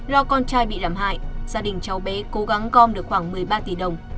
lo con trai bị làm hại gia đình cháu bé cố gắng gom được khoảng một mươi ba tỷ đồng